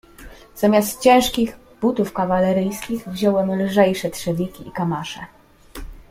"Zamiast ciężkich butów kawaleryjskich, wziąłem lżejsze trzewiki i kamasze."